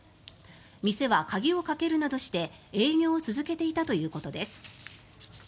店は鍵をかけるなどして、営業を続けていたということです。